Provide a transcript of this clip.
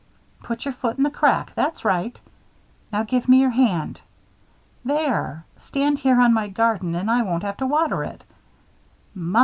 Put your foot in the crack that's right. Now give me your hand. There stand here on my garden and I won't have to water it. My!